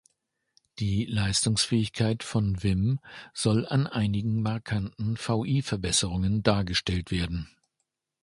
Die Leistungsfähigkeit von Vim soll an einigen markanten vi-Verbesserungen dargestellt werden.